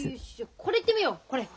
これいってみよう。